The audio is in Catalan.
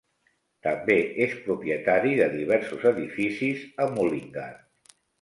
També és propietari de diversos edificis a Mullingar.